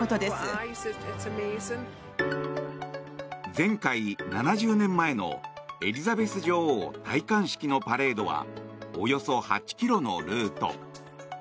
前回、７０年前のエリザベス女王戴冠式のパレードはおよそ８ｋｍのルート。